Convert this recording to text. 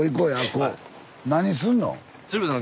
何すんの？